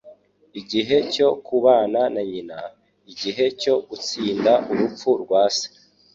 Igihe cyo kubana na nyina, nigihe cyo gutsinda urupfu rwa se.